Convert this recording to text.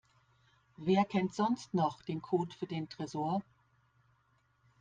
Wer kennt sonst noch den Code für den Tresor?